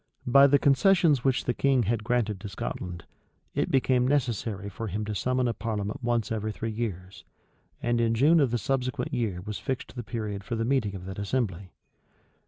By the concessions which the king had granted to Scotland, it became necessary for him to summon a parliament once in three years; and in June of the subsequent year was fixed the period for the meeting of that assembly.